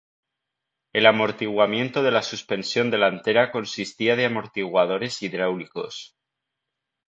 El amortiguamiento de la suspensión delantera consistía de amortiguadores hidráulicos.